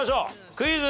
クイズ。